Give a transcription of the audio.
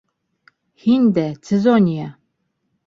Һин дә, Цезония!